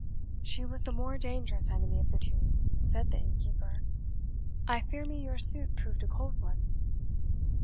"She was the more dangerous enemy of the two," said the innkeeper. "I fear me your suit proved a cold one."